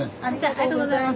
ありがとうございます。